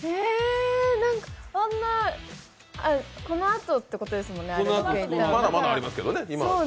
このあとってことですもんねも？